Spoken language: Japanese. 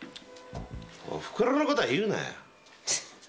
おふくろのことは言うなよ。